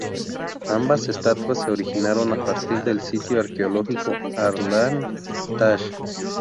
Ambas estatuas se originaron a partir del sitio arqueológico Arslan Tash.